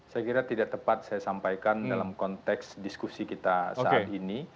saya kira tidak tepat saya sampaikan dalam konteks diskusi kita saat ini